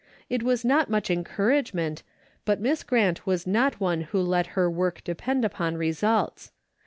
It was not much en DAILY RATEA'> 295 couragement, but Miss Grant was not one who let her work depend upon results.